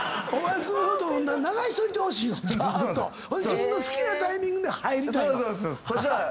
自分の好きなタイミングで入りたい？